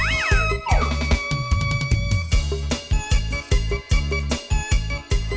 เออ